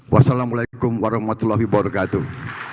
wassalamu alaikum warahmatullahi wabarakatuh